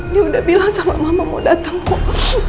dia udah bilang sama mama mau datang kok